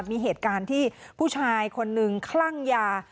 มีเหตุการณ์ที่ผู้ชายคนนึงคลั่งยา